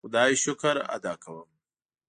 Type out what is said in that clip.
خدای شکر ادا کوم.